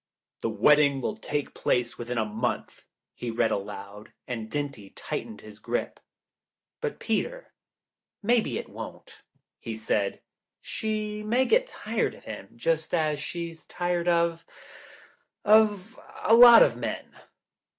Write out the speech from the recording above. " 'The wedding will take place within a month,' " he read aloud, and Dinty tightened his grip. "But Peter, maybe it won't," he said. "She may get tired of him just as she's tired of — of a lot of men."